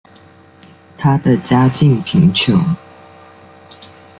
她的家境贫穷。